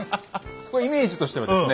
これイメージとしてはですね